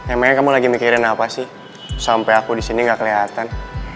emangnya kamu lagi mikirin apa sih sampai aku di sini gak keliatan